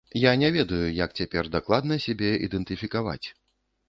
Я не ведаю, як цяпер дакладна сябе ідэнтыфікаваць.